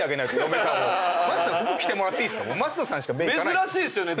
珍しいっすよね。